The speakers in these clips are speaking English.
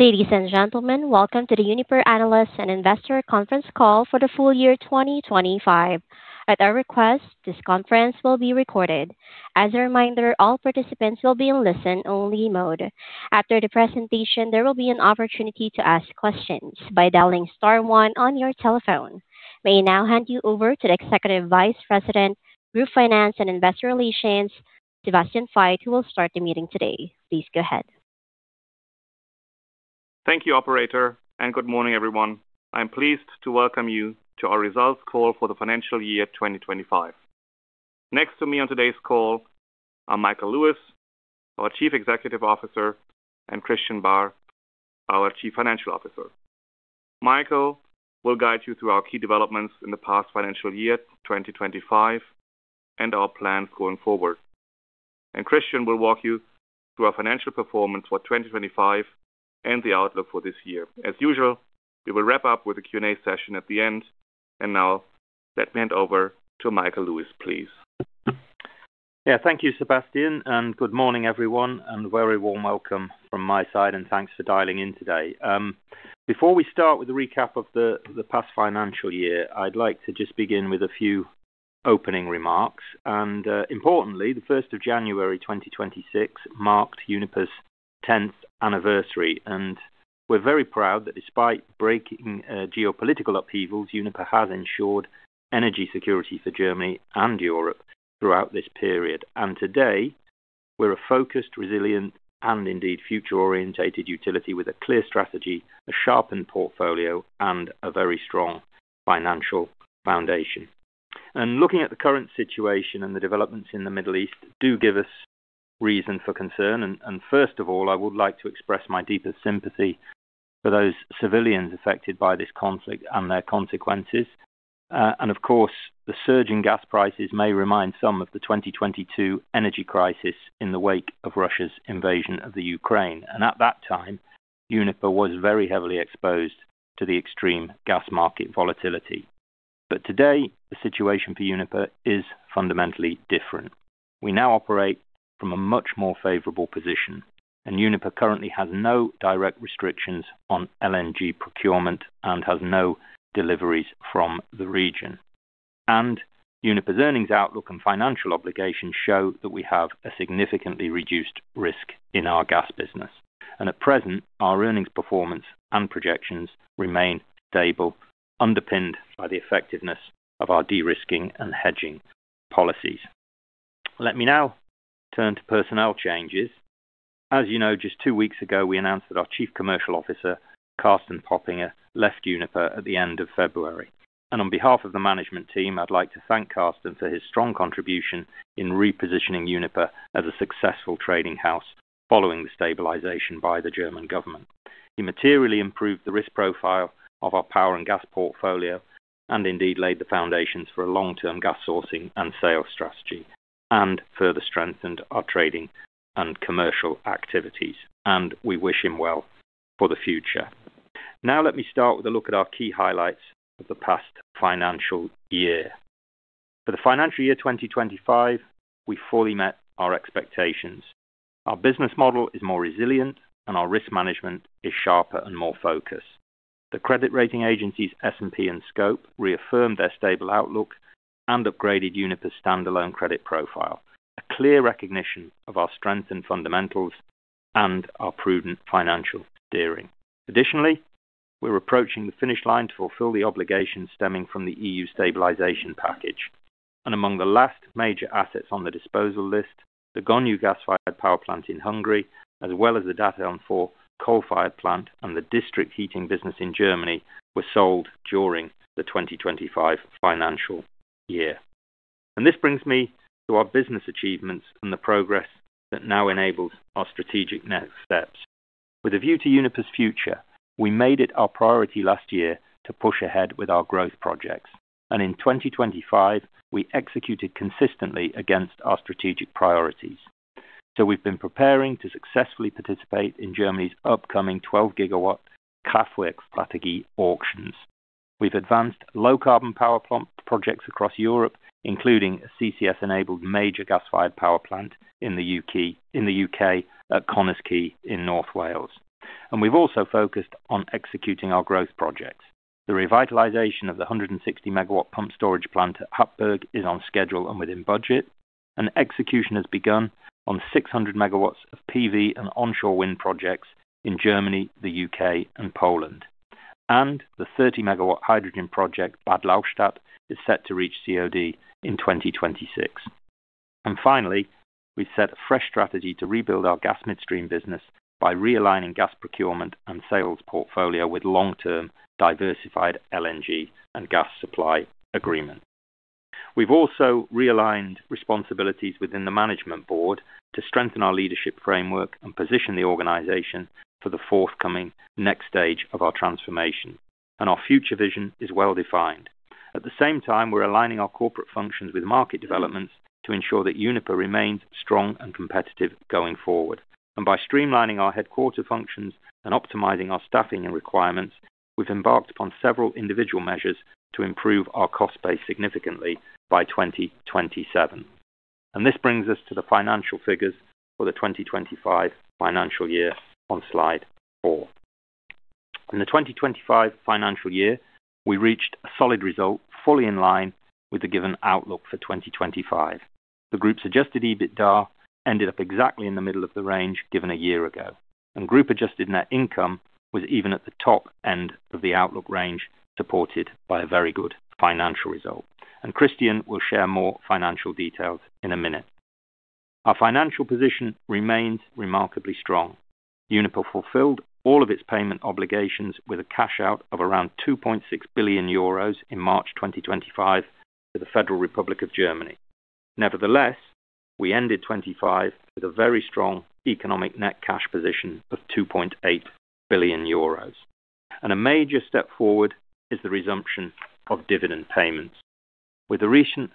Ladies and gentlemen, welcome to the Uniper Analyst and Investor Conference Call for the Full Year 2025. At our request, this conference will be recorded. As a reminder, all participants will be in listen-only mode. After the presentation, there will be an opportunity to ask questions by dialing star one on your telephone. May I now hand you over to the Executive Vice President, Group Finance and Investor Relations, Sebastian Veit, who will start the meeting today. Please go ahead. Thank you, operator, and good morning, everyone. I'm pleased to welcome you to our results call for the financial year 2025. Next to me on today's call are Michael Lewis, our Chief Executive Officer, and Christian Barr, our Chief Financial Officer. Michael will guide you through our key developments in the past financial year 2025, and our plans going forward. Christian will walk you through our financial performance for 2025 and the outlook for this year. As usual, we will wrap up with a Q&A session at the end, and now let me hand over to Michael Lewis, please. Yeah. Thank you, Sebastian Veit, and good morning, everyone, and a very warm welcome from my side and thanks for dialing in today. Before we start with a recap of the past financial year, I'd like to just begin with a few opening remarks. Importantly, the first of January 2026 marked Uniper's 10th anniversary, and we're very proud that despite Brexit, geopolitical upheavals, Uniper has ensured energy security for Germany and Europe throughout this period. Today, we're a focused, resilient, and indeed future-oriented utility with a clear strategy, a sharpened portfolio, and a very strong financial foundation. Looking at the current situation and the developments in the Middle East do give us reason for concern. First of all, I would like to express my deepest sympathy for those civilians affected by this conflict and their consequences. Of course, the surge in gas prices may remind some of the 2022 energy crisis in the wake of Russia's invasion of Ukraine. At that time, Uniper was very heavily exposed to the extreme gas market volatility. Today, the situation for Uniper is fundamentally different. We now operate from a much more favorable position, and Uniper currently has no direct restrictions on LNG procurement and has no deliveries from the region. Uniper's earnings outlook and financial obligations show that we have a significantly reduced risk in our gas business. At present, our earnings performance and projections remain stable, underpinned by the effectiveness of our de-risking and hedging policies. Let me now turn to personnel changes. As you know, just two weeks ago, we announced that our Chief Commercial Officer, Carsten Poppinga, left Uniper at the end of February. On behalf of the management team, I'd like to thank Carsten for his strong contribution in repositioning Uniper as a successful trading house following the stabilization by the German government. He materially improved the risk profile of our power and gas portfolio and indeed laid the foundations for a long-term gas sourcing and sales strategy and further strengthened our trading and commercial activities, and we wish him well for the future. Now let me start with a look at our key highlights of the past financial year. For the financial year 2025, we fully met our expectations. Our business model is more resilient, and our risk management is sharper and more focused. The credit rating agencies S&P and Scope reaffirmed their stable outlook and upgraded Uniper's standalone credit profile, a clear recognition of our strength and fundamentals and our prudent financial steering. Additionally, we're approaching the finish line to fulfill the obligations stemming from the EU stabilization package. Among the last major assets on the disposal list, the Gönyű gas-fired power plant in Hungary, as well as the Datteln 4 coal-fired plant and the district heating business in Germany, were sold during the 2025 financial year. This brings me to our business achievements and the progress that now enables our strategic next steps. With a view to Uniper's future, we made it our priority last year to push ahead with our growth projects. In 2025, we executed consistently against our strategic priorities. We've been preparing to successfully participate in Germany's upcoming 12 GW Kraftwerksstrategie auctions. We've advanced low-carbon power plant projects across Europe, including a CCS-enabled major gas-fired power plant in the U.K. at Connah's Quay in North Wales. We've also focused on executing our growth projects. The revitalization of the 160-MW pumped-storage plant at Happurg is on schedule and within budget. Execution has begun on 600 MW of PV and onshore wind projects in Germany, the U.K., and Poland. The 30-MW hydrogen project Bad Lauchstadt is set to reach COD in 2026. Finally, we set a fresh strategy to rebuild our gas midstream business by realigning gas procurement and sales portfolio with long-term diversified LNG and gas supply agreement. We've also realigned responsibilities within the management board to strengthen our leadership framework and position the organization for the forthcoming next stage of our transformation, and our future vision is well defined. At the same time, we're aligning our corporate functions with market developments to ensure that Uniper remains strong and competitive going forward. By streamlining our headquarters functions and optimizing our staffing and requirements, we've embarked upon several individual measures to improve our cost base significantly by 2027. This brings us to the financial figures for the 2025 financial year on slide four. In the 2025 financial year, we reached a solid result fully in line with the given outlook for 2025. The group's Adjusted EBITDA ended up exactly in the middle of the range given a year ago, and group adjusted net income was even at the top end of the outlook range, supported by a very good financial result. Christian will share more financial details in a minute. Our financial position remains remarkably strong. Uniper fulfilled all of its payment obligations with a cash out of around 2.6 billion euros in March 2025 to the Federal Republic of Germany. Nevertheless, we ended 2025 with a very strong economic net cash position of 2.8 billion euros. A major step forward is the resumption of dividend payments. With the recent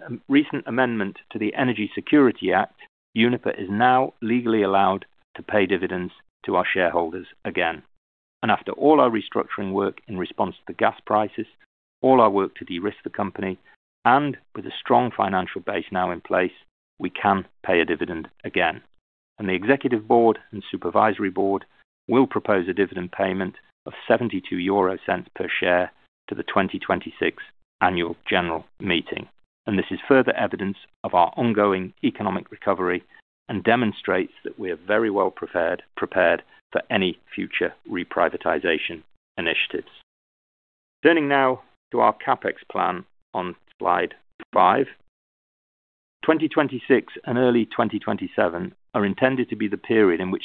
amendment to the Energy Security Act, Uniper is now legally allowed to pay dividends to our shareholders again. After all our restructuring work in response to the gas prices, all our work to de-risk the company, and with a strong financial base now in place, we can pay a dividend again. The executive board and supervisory board will propose a dividend payment of 0.72 per share to the 2026 annual general meeting. This is further evidence of our ongoing economic recovery and demonstrates that we are very well prepared for any future reprivatization initiatives. Turning now to our CapEx plan on slide five. 2026 and early 2027 are intended to be the period in which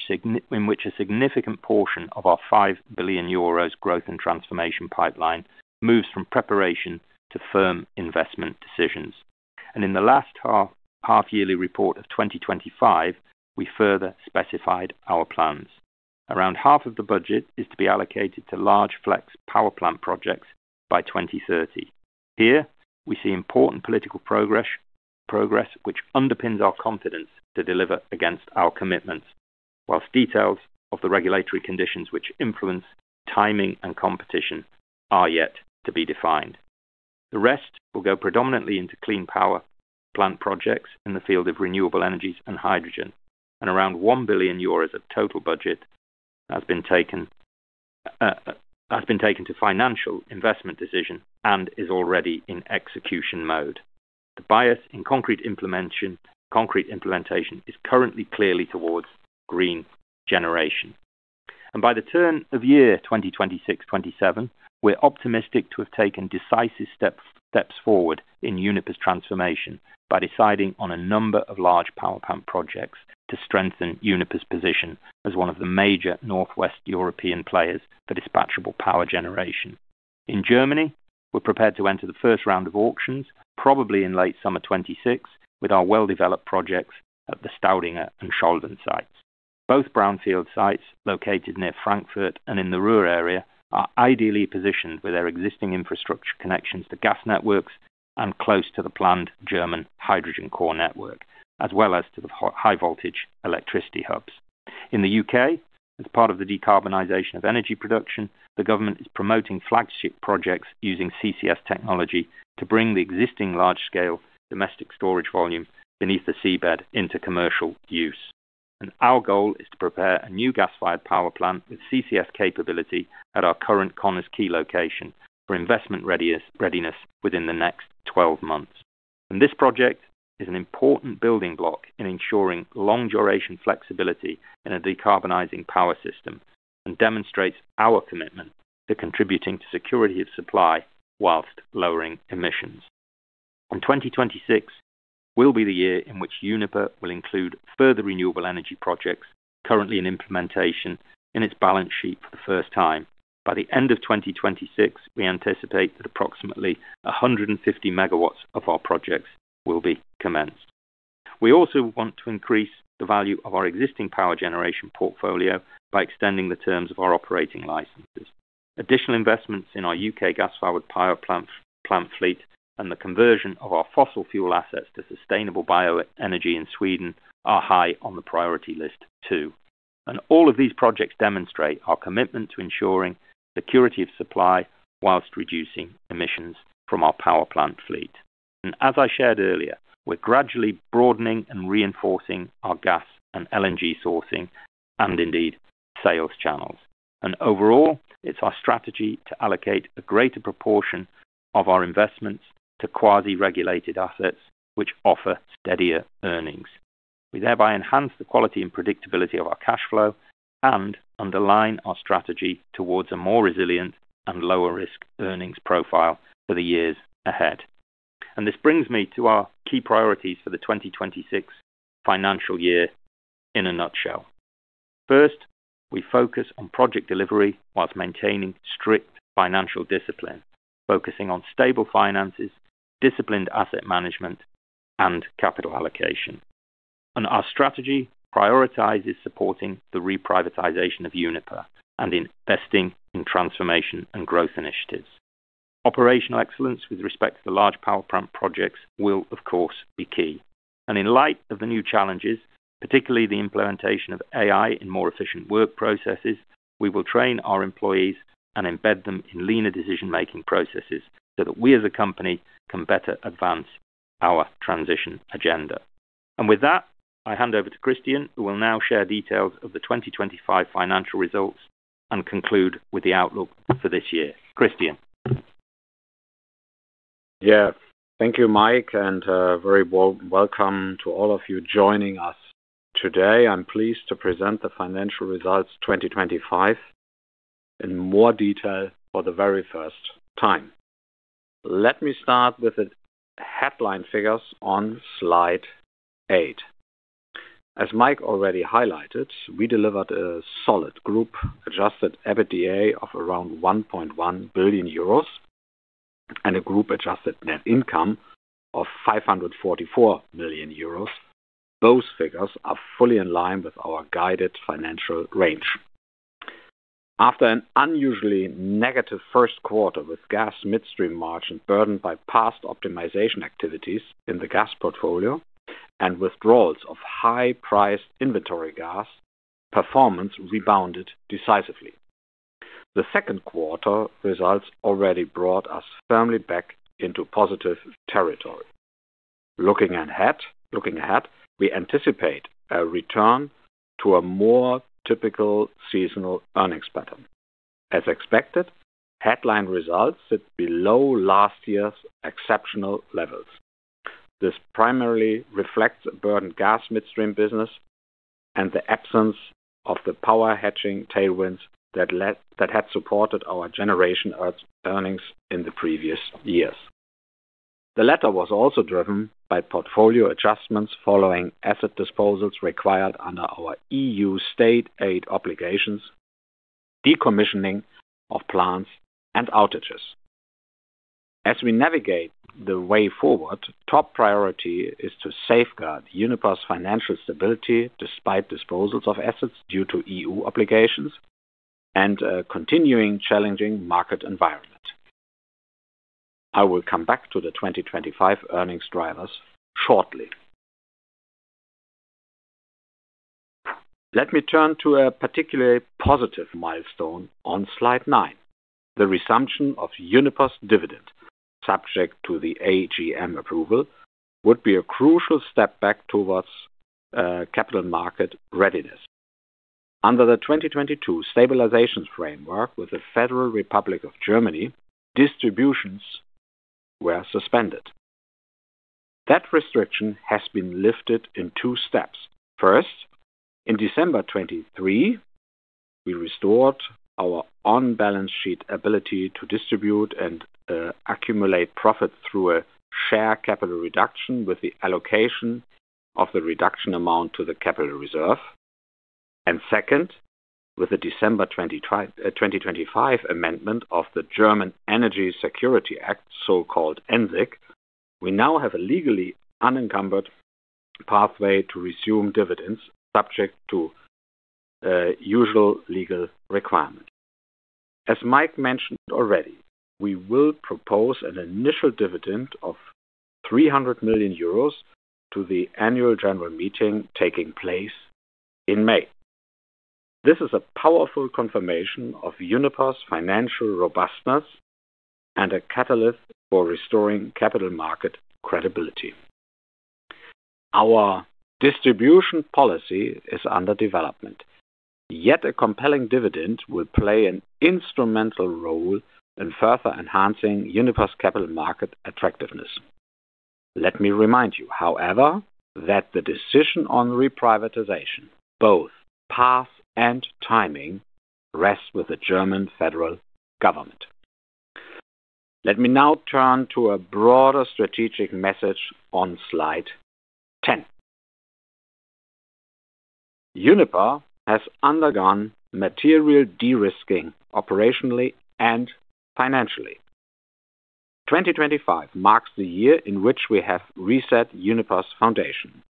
in which a significant portion of our 5 billion euros growth and transformation pipeline moves from preparation to firm investment decisions. In the last half-yearly report of 2025, we further specified our plans. Around half of the budget is to be allocated to large flex power plant projects by 2030. Here we see important political progress which underpins our confidence to deliver against our commitments. While details of the regulatory conditions which influence timing and competition are yet to be defined. The rest will go predominantly into clean power plant projects in the field of renewable energies and hydrogen. Around 1 billion euros of total budget has been taken to financial investment decision and is already in execution mode. The bias in concrete implementation is currently clearly towards Green Generation. By the turn of year 2026, 2027, we're optimistic to have taken decisive steps forward in Uniper's transformation by deciding on a number of large power plant projects to strengthen Uniper's position as one of the major Northwest European players for dispatchable power generation. In Germany, we're prepared to enter the first round of auctions, probably in late summer 2026, with our well-developed projects at the Staudinger and Scholven sites. Both brownfield sites, located near Frankfurt and in the Ruhr area, are ideally positioned with their existing infrastructure connections to gas networks and close to the planned German hydrogen core network, as well as to the high voltage electricity hubs. In the U.K., as part of the decarbonization of energy production, the government is promoting flagship projects using CCS technology to bring the existing large-scale domestic storage volume beneath the seabed into commercial use. Our goal is to prepare a new gas-fired power plant with CCS capability at our current Connah's Quay location for investment readiness within the next 12 months. This project is an important building block in ensuring long duration flexibility in a decarbonizing power system and demonstrates our commitment to contributing to security of supply while lowering emissions. 2026 will be the year in which Uniper will include further renewable energy projects currently in implementation in its balance sheet for the first time. By the end of 2026, we anticipate that approximately 150 MW of our projects will be commenced. We also want to increase the value of our existing power generation portfolio by extending the terms of our operating licenses. Additional investments in our U.K. gas-fired power plant fleet and the conversion of our fossil fuel assets to sustainable bioenergy in Sweden are high on the priority list too. All of these projects demonstrate our commitment to ensuring security of supply while reducing emissions from our power plant fleet. As I shared earlier, we're gradually broadening and reinforcing our gas and LNG sourcing and indeed sales channels. Overall, it's our strategy to allocate a greater proportion of our investments to quasi-regulated assets which offer steadier earnings. We thereby enhance the quality and predictability of our cash flow and underline our strategy towards a more resilient and lower risk earnings profile for the years ahead. This brings me to our key priorities for the 2026 financial year in a nutshell. First, we focus on project delivery whilst maintaining strict financial discipline, focusing on stable finances, disciplined asset management and capital allocation. Our strategy prioritizes supporting the reprivatization of Uniper and investing in transformation and growth initiatives. Operational excellence with respect to the large power plant projects will of course be key. In light of the new challenges, particularly the implementation of AI in more efficient work processes, we will train our employees and embed them in leaner decision-making processes so that we as a company can better advance our transition agenda. With that, I hand over to Christian, who will now share details of the 2025 financial results and conclude with the outlook for this year. Christian. Yeah. Thank you, Mike, and very welcome to all of you joining us today. I'm pleased to present the financial results 2025 in more detail for the very first time. Let me start with the headline figures on slide eight. As Mike already highlighted, we delivered a solid group Adjusted EBITDA of around 1.1 billion euros and a group-adjusted net income of 544 million euros. Those figures are fully in line with our guided financial range. After an unusually negative first quarter with gas midstream margin burdened by past optimization activities in the gas portfolio and withdrawals of high-priced inventory gas, performance rebounded decisively. The second quarter results already brought us firmly back into positive territory. Looking ahead, we anticipate a return to a more typical seasonal earnings pattern. As expected, headline results sit below last year's exceptional levels. This primarily reflects a burdened gas midstream business and the absence of the power hedging tailwinds that had supported our generation earnings in the previous years. The latter was also driven by portfolio adjustments following asset disposals required under our EU state aid obligations, decommissioning of plants, and outages. As we navigate the way forward, top priority is to safeguard Uniper's financial stability despite disposals of assets due to EU obligations and a continuing challenging market environment. I will come back to the 2025 earnings drivers shortly. Let me turn to a particularly positive milestone on Slide 9. The resumption of Uniper's dividend, subject to the AGM approval, would be a crucial step back towards capital market readiness. Under the 2022 stabilization framework with the Federal Republic of Germany, distributions were suspended. That restriction has been lifted in two steps. First, in December 2023, we restored our on-balance sheet ability to distribute and accumulate profits through a share capital reduction with the allocation of the reduction amount to the capital reserve. Second, with the December 2025 amendment of the German Energy Security Act, so-called EnSiG, we now have a legally unencumbered pathway to resume dividends subject to usual legal requirements. As Mike mentioned already, we will propose an initial dividend of 300 million euros to the annual general meeting taking place in May. This is a powerful confirmation of Uniper's financial robustness and a catalyst for restoring capital market credibility. Our distribution policy is under development, yet a compelling dividend will play an instrumental role in further enhancing Uniper's capital market attractiveness. Let me remind you, however, that the decision on reprivatization, both path and timing, rests with the German federal government. Let me now turn to a broader strategic message on slide ten. Uniper has undergone material de-risking operationally and financially. 2025 marks the year in which we have reset Uniper's foundation.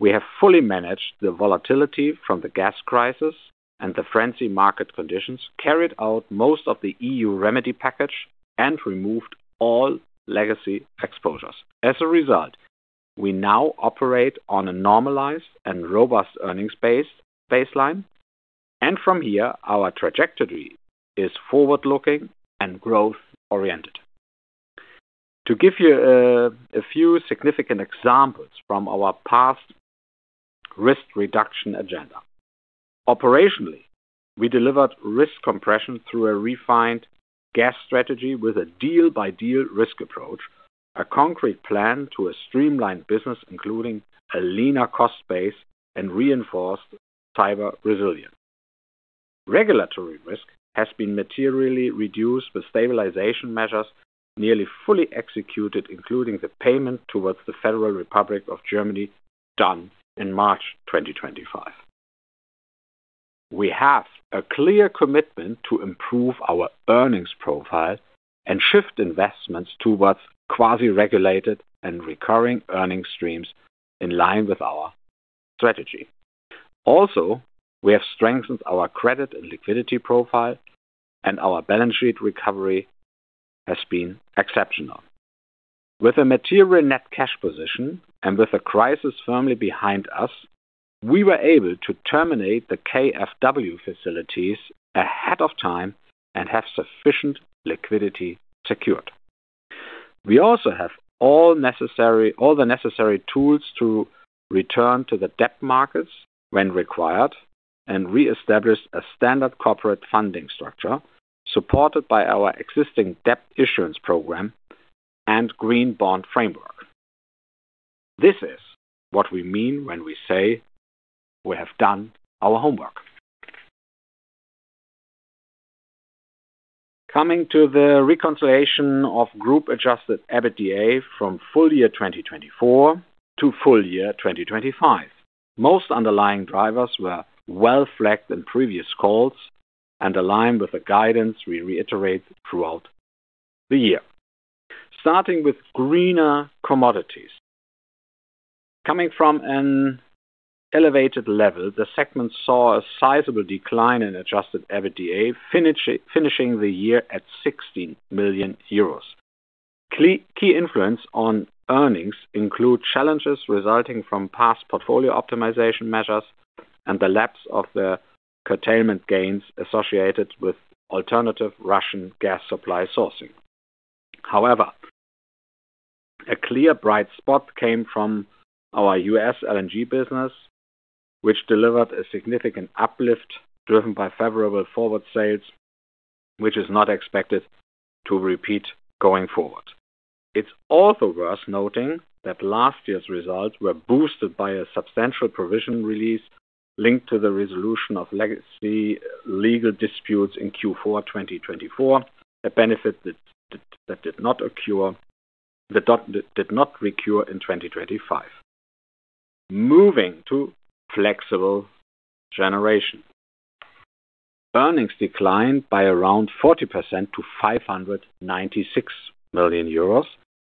We have fully managed the volatility from the gas crisis and the frenzy market conditions, carried out most of the EU remedy package, and removed all legacy exposures. As a result, we now operate on a normalized and robust earnings baseline, and from here, our trajectory is forward-looking and growth-oriented. To give you a few significant examples from our past risk reduction agenda. Operationally, we delivered risk compression through a refined gas strategy with a deal-by-deal risk approach, a concrete plan to a streamlined business, including a leaner cost base and reinforced cyber resilience. Regulatory risk has been materially reduced, with stabilization measures nearly fully executed, including the payment towards the Federal Republic of Germany done in March 2025. We have a clear commitment to improve our earnings profile and shift investments towards quasi-regulated and recurring earning streams in line with our strategy. Also, we have strengthened our credit and liquidity profile and our balance sheet recovery has been exceptional. With a material net cash position and with a crisis firmly behind us. We were able to terminate the KfW facilities ahead of time and have sufficient liquidity secured. We also have all the necessary tools to return to the debt markets when required and reestablish a standard corporate funding structure supported by our existing debt issuance program and green bond framework. This is what we mean when we say we have done our homework. Coming to the reconciliation of group Adjusted EBITDA from full-year 2024 to full-year 2025. Most underlying drivers were well-flagged in previous calls and aligned with the guidance we reiterated throughout the year. Starting with Greener Commodities. Coming from an elevated level, the segment saw a sizable decline in Adjusted EBITDA, finishing the year at 16 million euros. Key influence on earnings include challenges resulting from past portfolio optimization measures and the lapse of the curtailment gains associated with alternative Russian gas supply sourcing. However, a clear bright spot came from our U.S. LNG business, which delivered a significant uplift driven by favorable forward sales, which is not expected to repeat going forward. It's also worth noting that last year's results were boosted by a substantial provision release linked to the resolution of legacy legal disputes in Q4 2024, a benefit that did not recur in 2025. Moving to Flexible Generation. Earnings declined by around 40% to 596 million euros,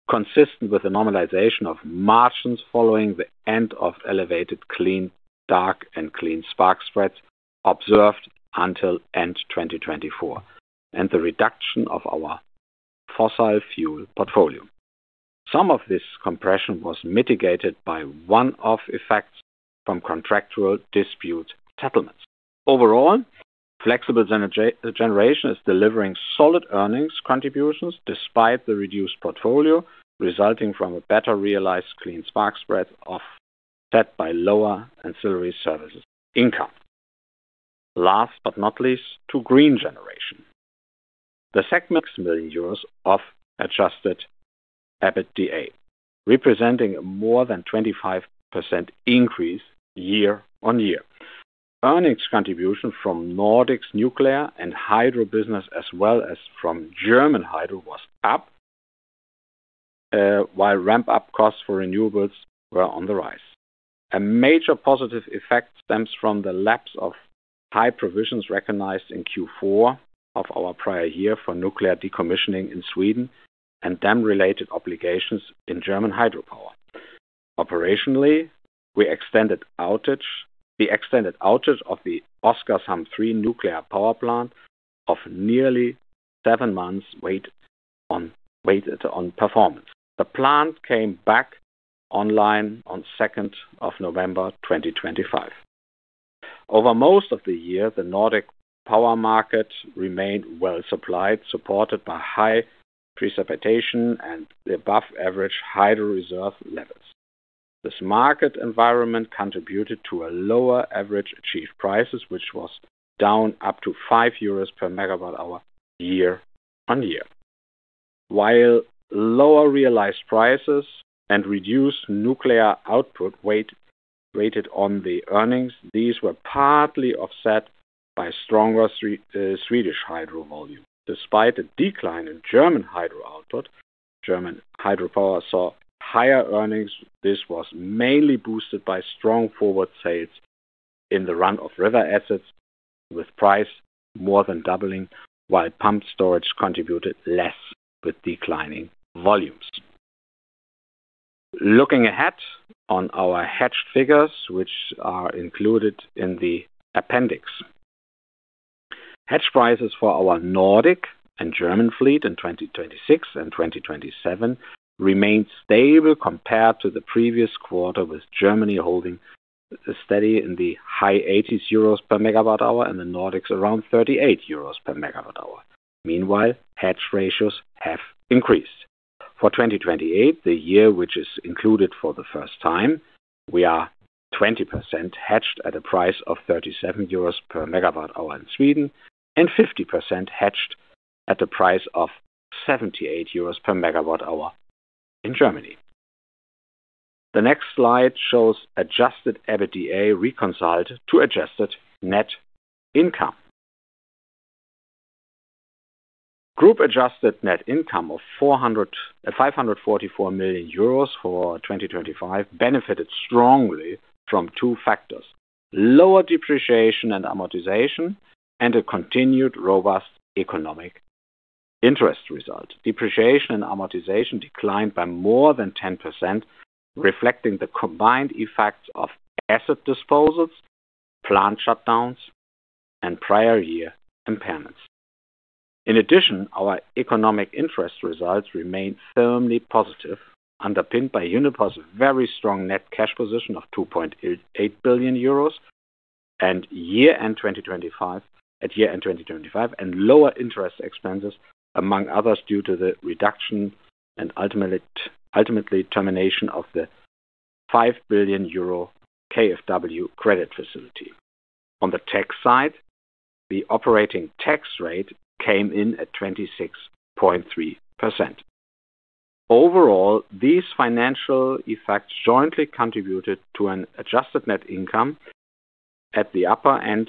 consistent with the normalization of margins following the end of elevated clean dark and clean spark spreads observed until end 2024 and the reduction of our fossil fuel portfolio. Some of this compression was mitigated by one-off effects from contractual dispute settlements. Overall, Flexible Generation is delivering solid earnings contributions despite the reduced portfolio resulting from a better realized clean spark spread offset by lower ancillary services income. Last but not least, to Green Generation. The segment's million euros of Adjusted EBITDA, representing a more than 25% increase year-on-year. Earnings contribution from Nordics nuclear and hydro business as well as from German Hydro was up, while ramp-up costs for renewables were on the rise. A major positive effect stems from the lapse of high provisions recognized in Q4 of our prior year for nuclear decommissioning in Sweden and dam-related obligations in German hydropower. Operationally, the extended outage of the Oskarshamn three nuclear power plant of nearly seven months weighed on performance. The plant came back online on second of November 2025. Over most of the year, the Nordic power market remained well supplied, supported by high precipitation and above-average hydro reserve levels. This market environment contributed to a lower average achieved prices, which was down up to 5 euros per MWh year-on-year. While lower realized prices and reduced nuclear output weighed on the earnings, these were partly offset by stronger Swedish hydro volume. Despite a decline in German hydro output, German hydropower saw higher earnings. This was mainly boosted by strong forward sales in the run-of-river assets, with price more than doubling, while pumped-storage contributed less with declining volumes. Looking ahead on our hedged figures, which are included in the appendix. Hedge prices for our Nordic and German fleet in 2026 and 2027 remained stable compared to the previous quarter, with Germany holding steady in the high EUR 80s per megawatt hour and the Nordics around 38 euros per megawatt hour. Meanwhile, hedge ratios have increased. For 2028, the year which is included for the first time, we are 20% hedged at a price of 37 euros per MWh in Sweden and 50% hedged at the price of 78 euros per MWh in Germany. The next slide shows Adjusted EBITDA reconciled to adjusted net income. Group adjusted net income of 544 million euros for 2025 benefited strongly from two factors, lower depreciation and amortization, and a continued robust economic interest result. Depreciation and amortization declined by more than 10%, reflecting the combined effects of asset disposals, plant shutdowns, and prior year impairments. In addition, our economic interest results remain firmly positive, underpinned by Uniper's very strong net cash position of 2.8 billion euros at year-end 2025, and lower interest expenses among others, due to the reduction and ultimately termination of the 5 billion euro KfW credit facility. On the tax side, the operating tax rate came in at 26.3%. Overall, these financial effects jointly contributed to an adjusted net income at the upper end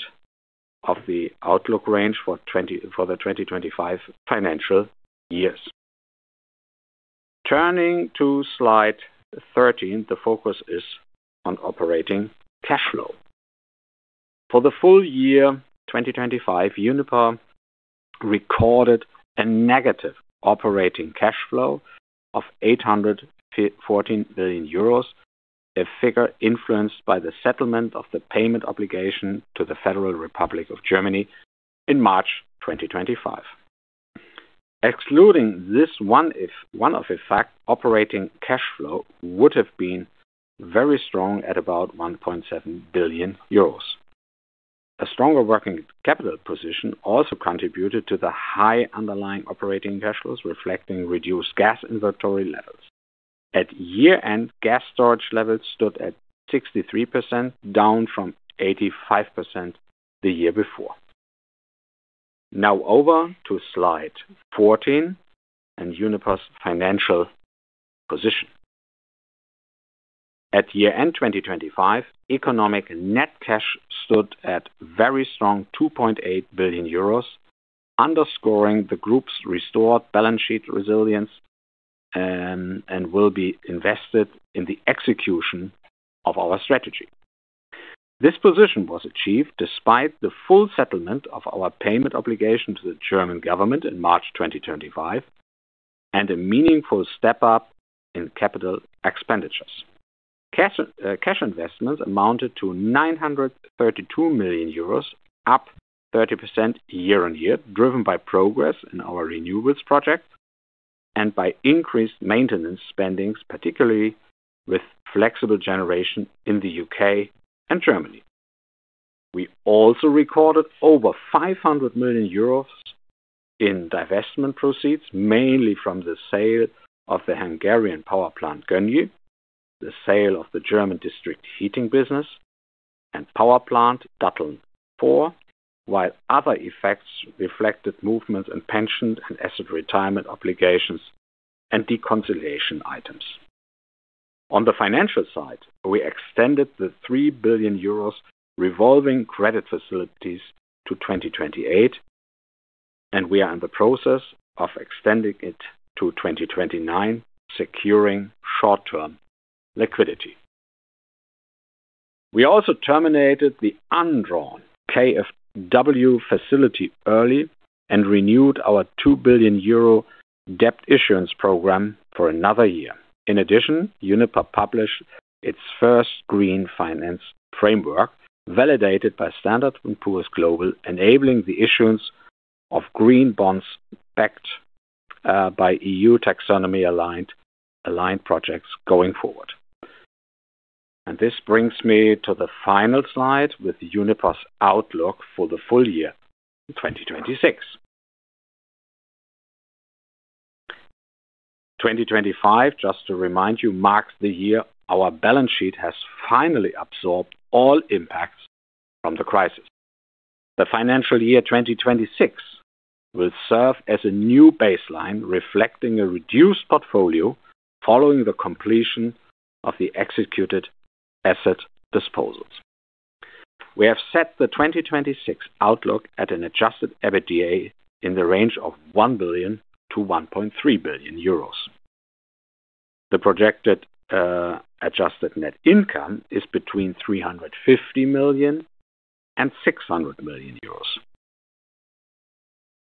of the outlook range for the 2025 financial years. Turning to slide 13, the focus is on operating cash flow. For the full year 2025, Uniper recorded a negative operating cash flow of 814 billion euros, a figure influenced by the settlement of the payment obligation to the Federal Republic of Germany in March 2025. Excluding this one-off effect, operating cash flow would have been very strong at about 1.7 billion euros. A stronger working capital position also contributed to the high underlying operating cash flows, reflecting reduced gas inventory levels. At year-end, gas storage levels stood at 63%, down from 85% the year before. Now over to slide 14 and Uniper's financial position. At year-end 2025, economic net cash stood at very strong 2.8 billion euros, underscoring the group's restored balance sheet resilience and will be invested in the execution of our strategy. This position was achieved despite the full settlement of our payment obligation to the German government in March 2025 and a meaningful step up in capital expenditures. Cash investments amounted to 932 million euros, up 30% year-on-year, driven by progress in our renewables projects and by increased maintenance spending, particularly with Flexible Generation in the U.K. and Germany. We also recorded over 500 million euros in divestment proceeds, mainly from the sale of the Hungarian power plant Gönyű, the sale of the German district heating business and power plant Datteln 4, while other effects reflected movements in pension and asset retirement obligations and deconsolidation items. On the financial side, we extended the 3 billion euros revolving credit facilities to 2028, and we are in the process of extending it to 2029, securing short-term liquidity. We also terminated the undrawn KfW facility early and renewed our 2 billion euro debt issuance program for another year. In addition, Uniper published its first Green Finance Framework, validated by S&P Global, enabling the issuance of green bonds backed by EU taxonomy aligned projects going forward. This brings me to the final slide with Uniper's outlook for the full year 2026. 2025, just to remind you, marks the year our balance sheet has finally absorbed all impacts from the crisis. The financial year 2026 will serve as a new baseline, reflecting a reduced portfolio following the completion of the executed asset disposals. We have set the 2026 outlook at an Adjusted EBITDA in the range of 1 billion-1.3 billion euros. The projected adjusted net income is between 350 million and 600 million euros.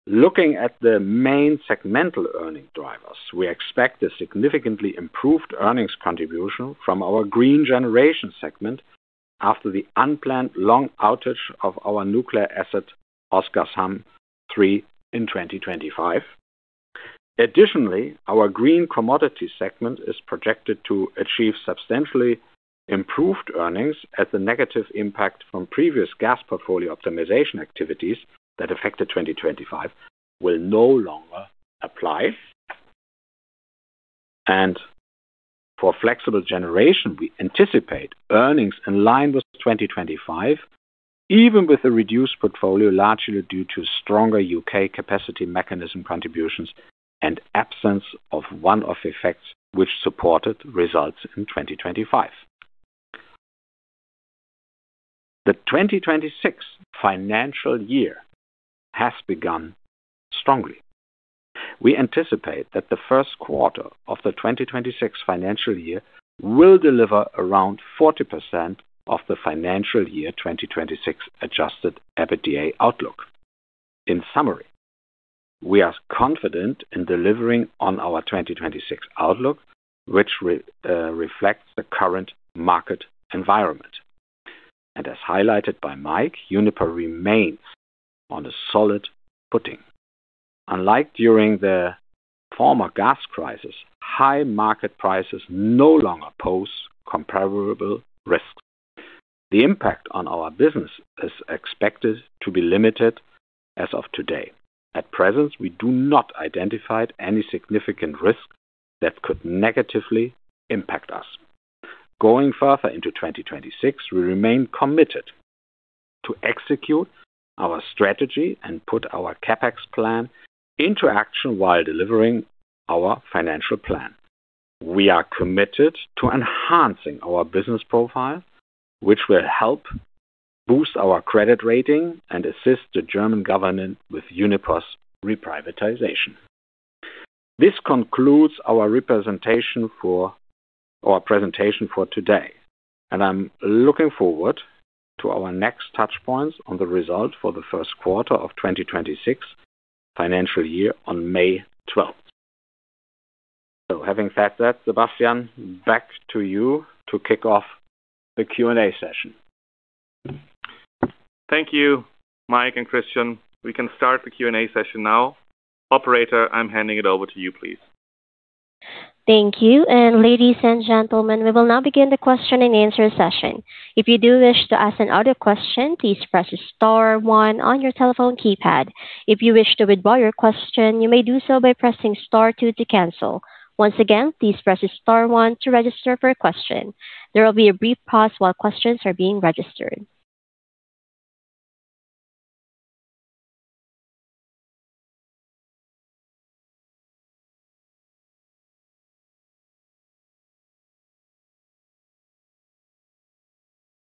Looking at the main segmental earning drivers, we expect a significantly improved earnings contribution from our Green Generation segment after the unplanned long outage of our nuclear asset Oskarshamn 3 in 2025. Additionally, our Greener Commodities segment is projected to achieve substantially improved earnings as the negative impact from previous gas portfolio optimization activities that affected 2025 will no longer apply. For Flexible Generation, we anticipate earnings in line with 2025, even with a reduced portfolio, largely due to stronger U.K. Capacity Mechanism contributions and absence of one-off effects which supported results in 2025. The 2026 financial year has begun strongly. We anticipate that the first quarter of the 2026 financial year will deliver around 40% of the financial year 2026 Adjusted EBITDA outlook. In summary, we are confident in delivering on our 2026 outlook, which reflects the current market environment. As highlighted by Mike, Uniper remains on a solid footing. Unlike during the former gas crisis, high market prices no longer pose comparable risks. The impact on our business is expected to be limited as of today. At present, we do not identify any significant risk that could negatively impact us. Going further into 2026, we remain committed to execute our strategy and put our CapEx plan into action while delivering our financial plan. We are committed to enhancing our business profile, which will help boost our credit rating and assist the German government with Uniper's reprivatization. This concludes our presentation for today, and I'm looking forward to our next touch points on the result for the first quarter of 2026 financial year on May twelfth. Having said that, Sebastian, back to you to kick off the Q&A session. Thank you, Mike and Christian. We can start the Q&A session now. Operator, I'm handing it over to you, please. Thank you. Ladies and gentlemen, we will now begin the question-and-answer session. If you do wish to ask an audio question, please press star one on your telephone keypad. If you wish to withdraw your question, you may do so by pressing star two to cancel. Once again, please press star one to register for a question. There will be a brief pause while questions are being registered.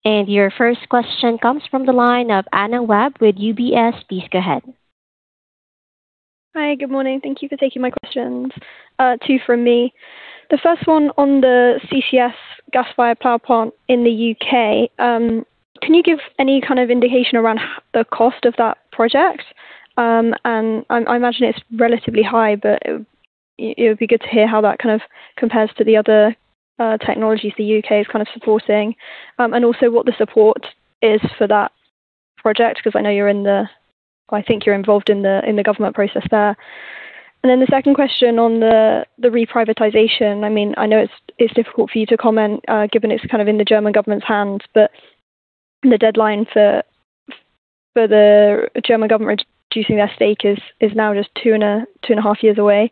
Your first question comes from the line of Anna Webb with UBS. Please go ahead. Hi. Good morning. Thank you for taking my questions. Two from me. The first one on the CCS gas-fired power plant in the U.K. Can you give any kind of indication around the cost of that project? I imagine it's relatively high, but it would be good to hear how that kind of compares to the other technologies the U.K. is kind of supporting. Also what the support is for that project, 'cause I know you're in the I think you're involved in the government process there. The second question on the reprivatization. I mean, I know it's difficult for you to comment, given it's kind of in the German government's hands, but the deadline for the German government reducing their stake is now just two and a half years away.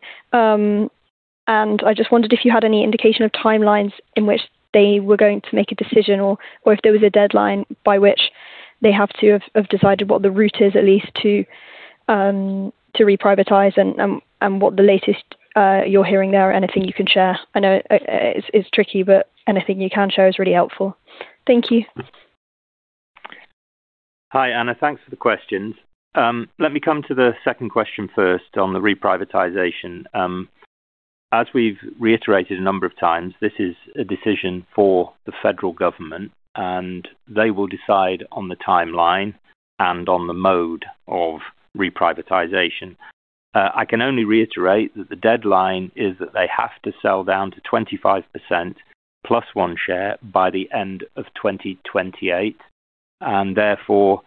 I just wondered if you had any indication of timelines in which they were going to make a decision or if there was a deadline by which they have to have decided what the route is at least to reprivatize and what the latest you're hearing there, anything you can share. I know it is tricky, but anything you can share is really helpful. Thank you. Hi, Anna. Thanks for the questions. Let me come to the second question first on the reprivatization. As we've reiterated a number of times, this is a decision for the federal government, and they will decide on the timeline and on the mode of reprivatization. I can only reiterate that the deadline is that they have to sell down to 25% plus one share by the end of 2028. Therefore,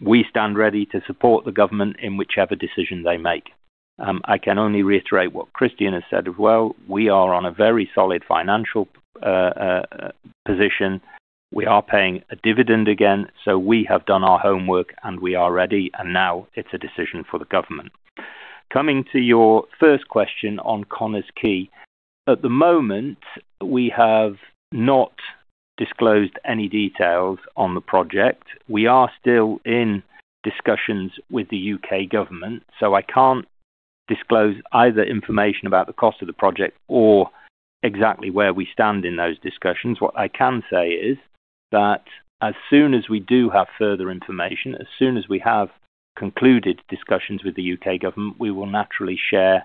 we stand ready to support the government in whichever decision they make. I can only reiterate what Christian has said as well. We are on a very solid financial position. We are paying a dividend again, so we have done our homework, and we are ready, and now it's a decision for the government. Coming to your first question on Connah's Quay. At the moment, we have not disclosed any details on the project. We are still in discussions with the U.K. government, so I can't disclose either information about the cost of the project or exactly where we stand in those discussions. What I can say is that as soon as we do have further information, as soon as we have concluded discussions with the U.K. government, we will naturally share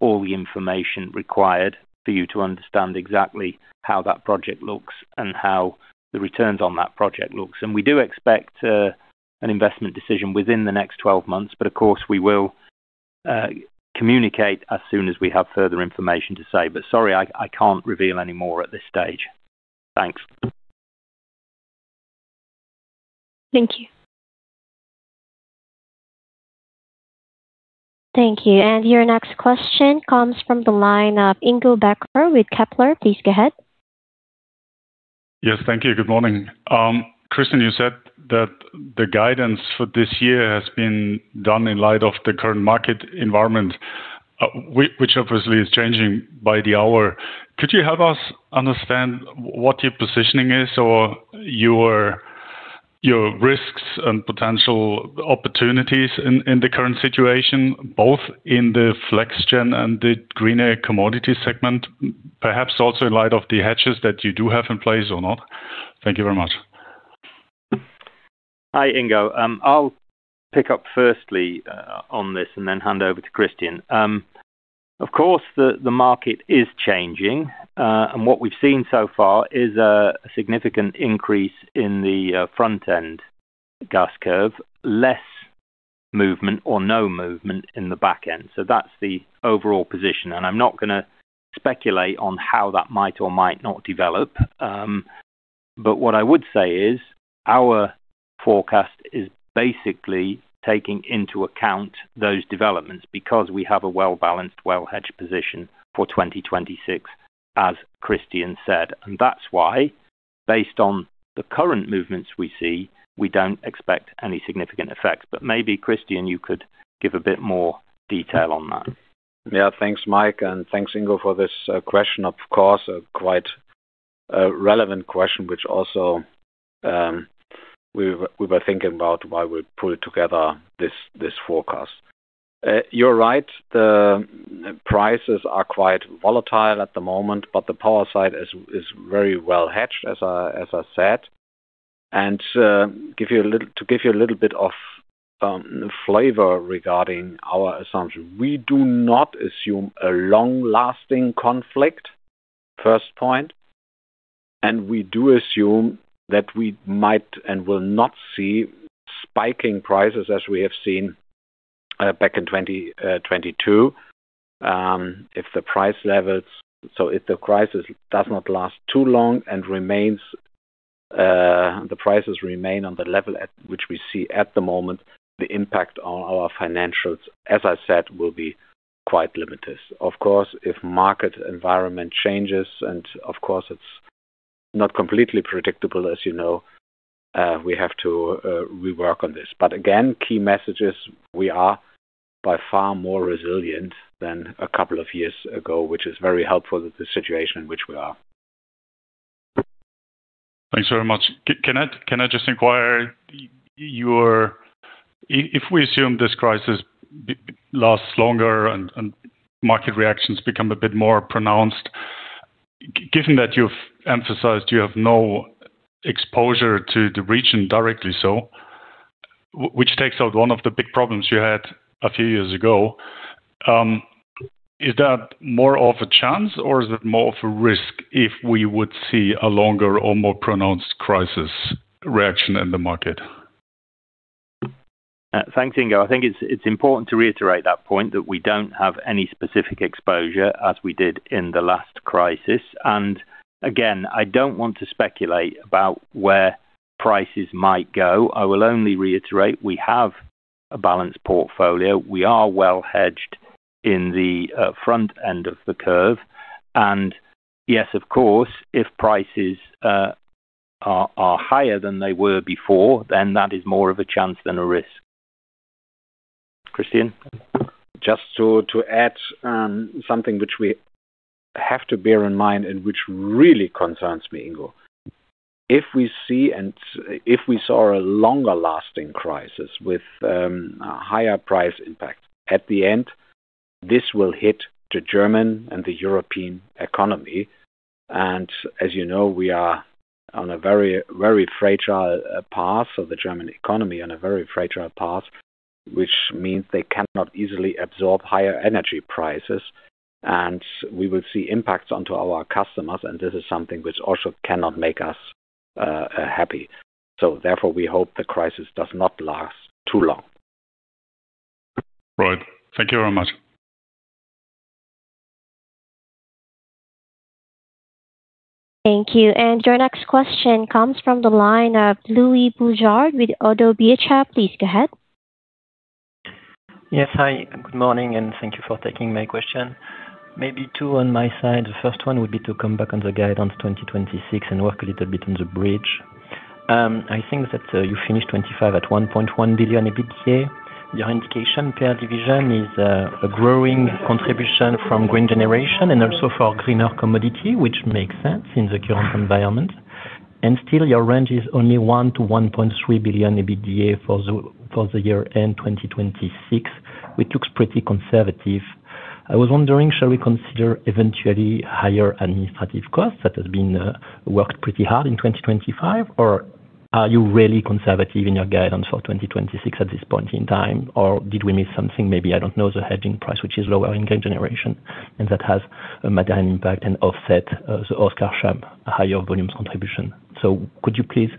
all the information required for you to understand exactly how that project looks and how the returns on that project looks. We do expect an investment decision within the next 12 months. Of course, we will communicate as soon as we have further information to say. Sorry, I can't reveal any more at this stage. Thanks. Thank you. Thank you. Your next question comes from the line of Ingo Becker with Kepler. Please go ahead. Yes, thank you. Good morning. Christian, you said that the guidance for this year has been done in light of the current market environment, which obviously is changing by the hour. Could you help us understand what your positioning is or your risks and potential opportunities in the current situation, both in the FlexGen and the Greener Commodities segment, perhaps also in light of the hedges that you do have in place or not? Thank you very much. Hi, Ingo. I'll pick up firstly on this and then hand over to Christian. Of course, the market is changing, and what we've seen so far is a significant increase in the front-end gas curve, less movement or no movement in the back end. That's the overall position. I'm not gonna speculate on how that might or might not develop. What I would say is our forecast is basically taking into account those developments because we have a well-balanced, well-hedged position for 2026, as Christian said. That's why, based on the current movements we see, we don't expect any significant effects. Maybe, Christian, you could give a bit more detail on that. Yeah. Thanks, Mike, and thanks Ingo for this question. Of course, a quite relevant question, which also we were thinking about why we put together this forecast. You're right, the prices are quite volatile at the moment, but the power side is very well hedged, as I said. To give you a little bit of flavor regarding our assumption, we do not assume a long-lasting conflict, first point, and we do assume that we might and will not see spiking prices as we have seen back in 2022. So if the crisis does not last too long and remains, the prices remain on the level at which we see at the moment, the impact on our financials, as I said, will be quite limited. Of course, if market environment changes, and of course, it's not completely predictable, as you know, we have to rework on this. But again, key message is we are by far more resilient than a couple of years ago, which is very helpful with the situation in which we are. Thanks very much. Can I just inquire if we assume this crisis lasts longer and market reactions become a bit more pronounced, given that you've emphasized you have no exposure to the region directly so, which takes out one of the big problems you had a few years ago, is that more of a chance or is it more of a risk if we would see a longer or more pronounced crisis reaction in the market? Thanks, Ingo. I think it's important to reiterate that point that we don't have any specific exposure as we did in the last crisis. Again, I don't want to speculate about where prices might go. I will only reiterate, we have a balanced portfolio. We are well hedged in the front end of the curve. Yes, of course, if prices are higher than they were before, then that is more of a chance than a risk. Christian. Just to add something which we have to bear in mind and which really concerns me, Ingo. If we see and if we saw a longer-lasting crisis with higher price impact, at the end, this will hit the German and the European economy. As you know, we are on a very fragile path of the German economy, on a very fragile path, which means they cannot easily absorb higher energy prices, and we will see impacts onto our customers, and this is something which also cannot make us happy. We hope the crisis does not last too long. Right. Thank you very much. Thank you. Your next question comes from the line of Louis Boujard with Oddo BHF. Please go ahead. Yes. Hi, good morning, and thank you for taking my question. Maybe two on my side. The first one would be to come back on the guidance for 2026 and work a little bit on the bridge. I think that you finished 2025 at 1.1 billion EBITDA. Your indication per division is a growing contribution from Green Generation and also for Greener Commodities, which makes sense in the current environment. Still your range is only 1-1.3 billion EBITDA for the year-end 2026, which looks pretty conservative. I was wondering, shall we consider eventually higher administrative costs that has been worked pretty hard in 2025, or are you really conservative in your guidance for 2026 at this point in time, or did we miss something? Maybe, I don't know, the hedging price, which is lower in Green Generation, and that has a material impact and offset the Oskarshamn higher volume contribution. Could you please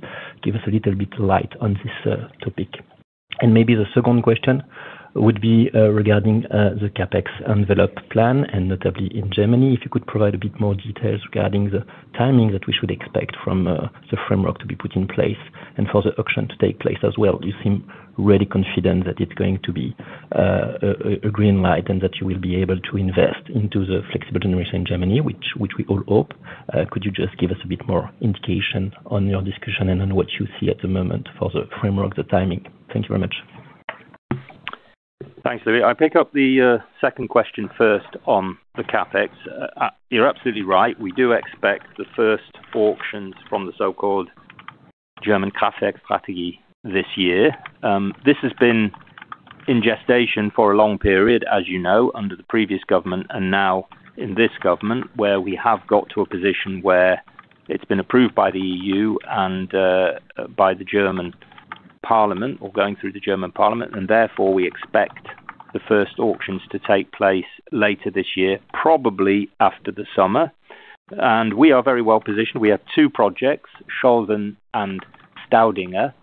give us a little bit light on this topic? Maybe the second question would be regarding the CapEx envelope plan and notably in Germany, if you could provide a bit more details regarding the timing that we should expect from the framework to be put in place and for the auction to take place as well. You seem really confident that it's going to be a green light and that you will be able to invest into the Flexible Generation in Germany, which we all hope. Could you just give us a bit more indication on your discussion and on what you see at the moment for the framework, the timing? Thank you very much. Thanks, Louis. I pick up the second question first on the Kraftwerksstrategie. You're absolutely right. We do expect the first auctions from the so-called German Kraftwerksstrategie this year. This has been in gestation for a long period, as you know, under the previous government and now in this government, where we have got to a position where it's been approved by the EU and by the German parliament or going through the German parliament. Therefore, we expect the first auctions to take place later this year, probably after the summer. We are very well positioned. We have two projects, Scholven and Staudinger,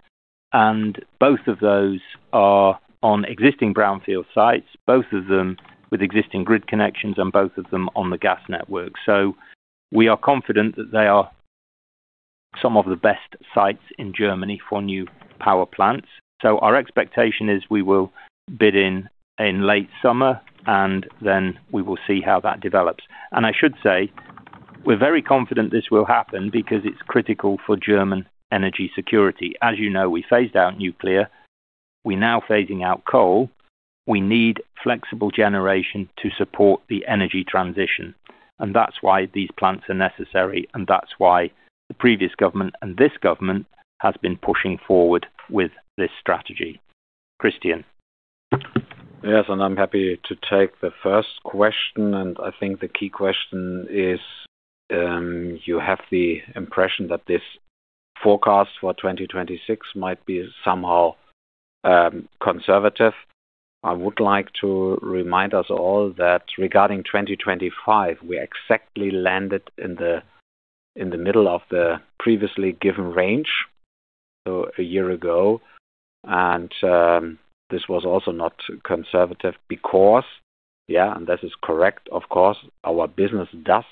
and both of those are on existing brownfield sites, both of them with existing grid connections and both of them on the gas network. We are confident that they are some of the best sites in Germany for new power plants. Our expectation is we will bid in late summer, and then we will see how that develops. I should say we're very confident this will happen because it's critical for German energy security. As you know, we phased out nuclear. We're now phasing out coal. We need Flexible Generation to support the energy transition. That's why these plants are necessary, and that's why the previous government and this government has been pushing forward with this strategy. Christian. I'm happy to take the first question, and I think the key question is, you have the impression that this forecast for 2026 might be somehow conservative. I would like to remind us all that regarding 2025, we exactly landed in the middle of the previously given range, so a year ago. This was also not conservative because, yeah, and this is correct, of course, our business does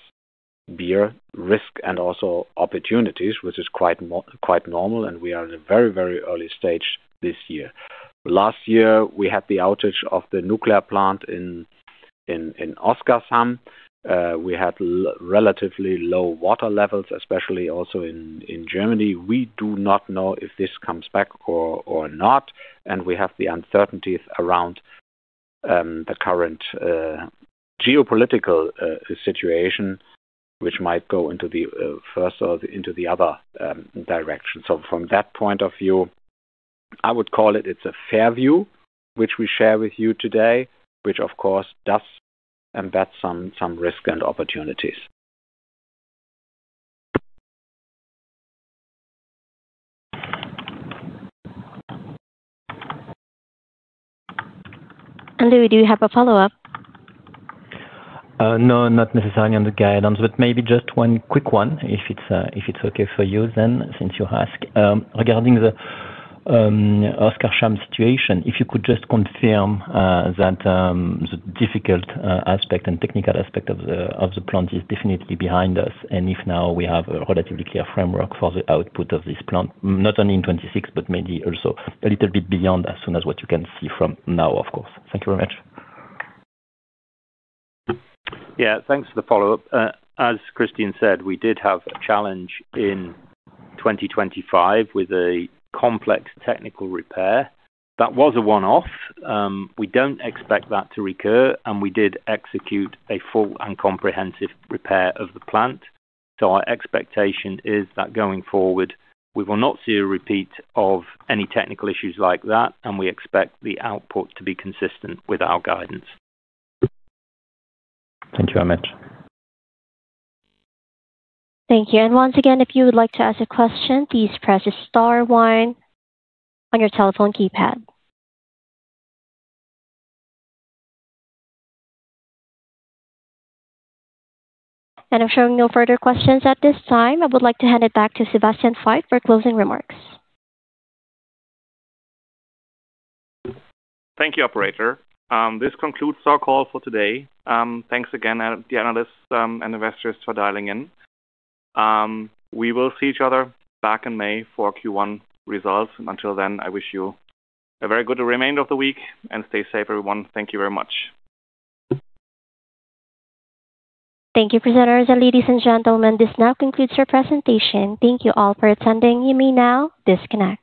bear risk and also opportunities, which is quite normal, and we are at a very, very early stage this year. Last year, we had the outage of the nuclear plant in Oskarshamn. We had relatively low water levels, especially also in Germany. We do not know if this comes back or not. We have the uncertainties around the current geopolitical situation, which might go into the first or into the other direction. From that point of view, I would call it it's a fair view, which we share with you today, which of course does embed some risk and opportunities. Louis, do you have a follow-up? No, not necessarily on the guidelines, but maybe just one quick one, if it's okay for you then since you ask. Regarding the Oskarshamn situation, if you could just confirm that the difficult aspect and technical aspect of the plant is definitely behind us and if now we have a relatively clear framework for the output of this plant, not only in 2026, but maybe also a little bit beyond as soon as what you can see from now of course. Thank you very much. Yeah. Thanks for the follow-up. As Christian said, we did have a challenge in 2025 with a complex technical repair. That was a one-off. We don't expect that to recur, and we did execute a full and comprehensive repair of the plant. Our expectation is that going forward, we will not see a repeat of any technical issues like that, and we expect the output to be consistent with our guidance. Thank you very much. Thank you. Once again, if you would like to ask a question, please press star one on your telephone keypad. I'm showing no further questions at this time. I would like to hand it back to Sebastian Veit for closing remarks. Thank you, operator. This concludes our call for today. Thanks again to the analysts and investors for dialing in. We will see each other back in May for Q1 results. Until then, I wish you a very good remainder of the week and stay safe everyone. Thank you very much. Thank you, presenters and ladies and gentlemen, this now concludes your presentation. Thank you all for attending. You may now disconnect.